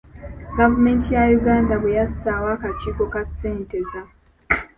Gavumenti ya Yuganda bwe yassaawo akakiiko ka Ssenteza